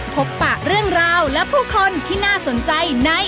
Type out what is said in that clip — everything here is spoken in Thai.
ปะเรื่องราวและผู้คนที่น่าสนใจใน